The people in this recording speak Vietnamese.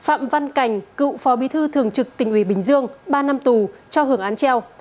phạm văn cảnh cựu phó bí thư thường trực tỉnh ủy bình dương ba năm tù cho hưởng án treo